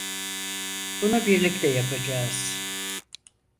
Bunu birlikte yapacağız.